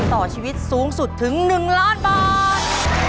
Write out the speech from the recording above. ต่อชีวิตสูงสุดถึง๑ล้านบาท